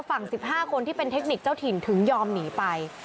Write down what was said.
ฝั่ง๑๕คนที่เป็นเทคนิคเจ้าถิ่นถึงยอมหนีไป